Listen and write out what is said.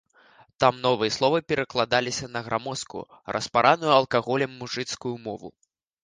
Там новыя словы перакладаліся на грамоздкую, распараную алкаголем мужыцкую мову.